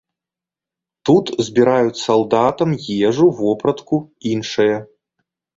Тут збіраюць салдатам ежу, вопратку, іншае.